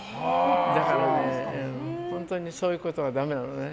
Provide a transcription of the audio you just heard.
だから本当にそういうことはだめなのね。